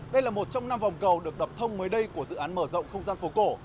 đây là một trong năm vòng cầu được đập thông mới đây của dự án mở rộng không gian phố cổ